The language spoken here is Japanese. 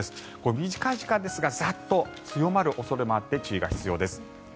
短い時間ですがザッと強まる恐れもあって注意が必要です。